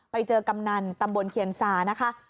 กำนันตำบลเคียนซานะคะ